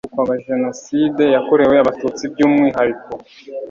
hibukwaga jenoside yakorewe abatutsi by umwihariko